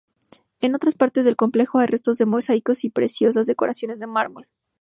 En todas partes del complejo hay restos de mosaicos y preciosas decoraciones de mármol.